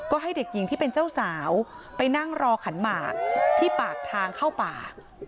ก็ให้เด็กหญิงที่เป็นเจ้าสาวไปนั่งรอขันหมากที่ปากทางเข้าป่า